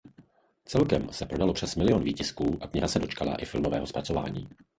Celkem se prodalo přes milion výtisků a kniha se dočkala i filmového zpracování.